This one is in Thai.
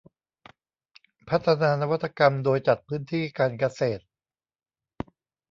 พัฒนานวัตกรรมโดยจัดพื้นที่การเกษตร